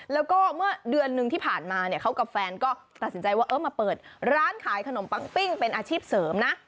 แล้วก็เมื่อเดือนหนึ่งที่ผ่านมาเนี่ยเขากับแฟนก็ตัดสินใจว่าเออมาเปิดร้านขายขนมปังปิ้งเป็นอาชีพเสริมนะ